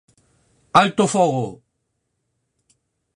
Alto o fogo!